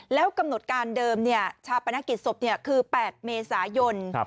แล้วกำหนดการเดิมชาปนกิจศพคือ๘เมษายน